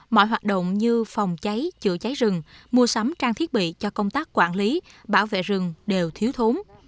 mọi hoạt động như phòng cháy chữa cháy rừng mua sắm trang thiết bị cho công tác quản lý bảo vệ rừng đều thiếu thốn